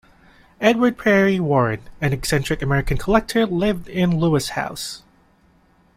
Edward Perry Warren, an eccentric American collector, lived in Lewes House.